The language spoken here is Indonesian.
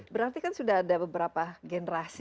berarti kan sudah ada beberapa generasi